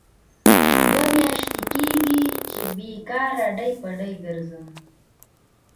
دوه میاشې کېږي بې کاره ډۍ په ډۍ کرځم.